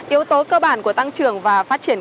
yếu tố cơ bản của tăng trưởng và phát triển